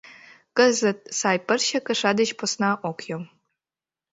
Кызыт сай пырче кыша деч посна ок йом.